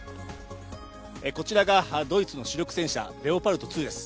こちらがドイツの主力戦車レオパルト２です。